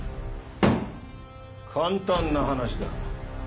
・簡単な話だ。